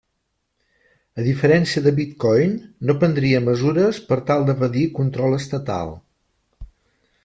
A diferència de Bitcoin, no prendria mesures per tal d'evadir control estatal.